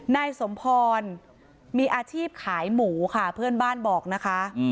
นายสมพรมีอาชีพขายหมูค่ะเพื่อนบ้านบอกนะคะ